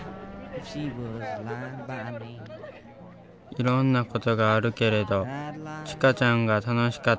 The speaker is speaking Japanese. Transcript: いろんなことがあるけれどちかちゃんが楽しかったならいいと僕らは思う。